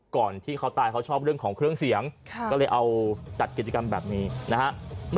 ก่อนที่เขาตายเขาชอบเรื่องของเครื่องเสียงก็เลยเอาจัดกิจกรรมแบบนี้นะฮะ